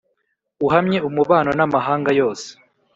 Uhamye umubano n amahanga yose